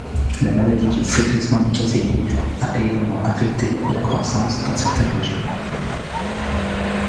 La maladie du flétrissement du caféier a également affecté la croissance dans certaines régions.